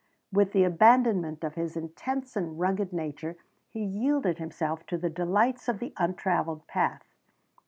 With the abandonment of his intense and rugged nature, he yielded himself to the delights of the untravelled path.